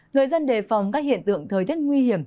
người dân đề phòng các hiện tượng thời tiết nguy hiểm